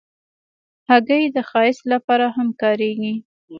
هګۍ د ښایست لپاره هم کارېږي.